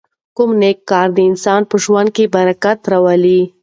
کوم نېک کار د انسان په ژوند کې برکت راولي؟